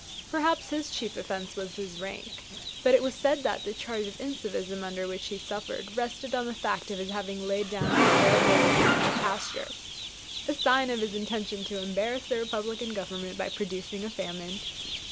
Perhaps his chief offence was his rank; but it was said that the charge of 'incivism,' under which he suffered, rested on the fact of his having laid down some arable land into pasture a sure sign of his intention to embarrass the Republican Government by producing a famine!